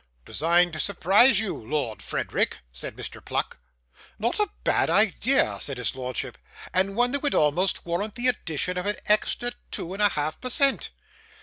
'Designed to surprise you, Lord Frederick,' said Mr. Pluck. 'Not a bad idea,' said his lordship, 'and one that would almost warrant the addition of an extra two and a half per cent.